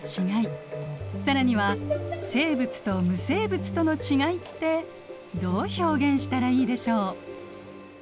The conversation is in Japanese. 更には生物と無生物とのちがいってどう表現したらいいでしょう？